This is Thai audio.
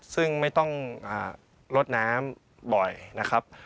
ซึ่งไม่ต้องลดน้ำบ่อยนะครับ